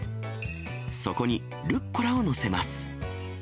そこにルッコラを載せます。